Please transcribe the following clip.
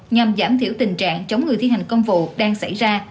nhằm giảm thiểu tình trạng chống người thi hành công vụ đang xảy ra